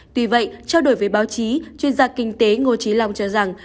tuy vậy trao đổi với báo chí chuyên gia kinh tế ngô trí long cho rằng